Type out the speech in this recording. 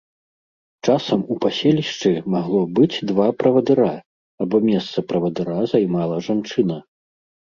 Часам у паселішчы магло быць два правадыра, або месца правадыра займала жанчына.